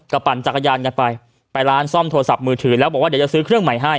ก็ปั่นจักรยานกันไปไปร้านซ่อมโทรศัพท์มือถือแล้วบอกว่าเดี๋ยวจะซื้อเครื่องใหม่ให้